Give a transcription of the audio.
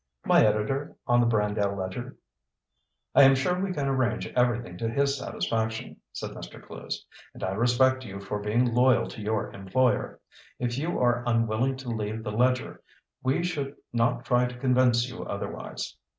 "My editor on the Brandale Ledger." "I am sure we can arrange everything to his satisfaction," said Mr. Clewes. "And I respect you for being loyal to your employer. If you are unwilling to leave the Ledger, we should not try to convince you otherwise.